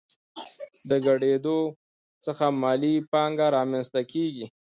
د دې ګډېدو څخه مالي پانګه رامنځته کېږي